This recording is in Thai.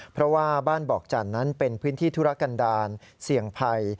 เพราะว่าบ้านบอกจันทร์นั้นเป็นพื้นที่ธุรกันดาลเสี่ยงภัย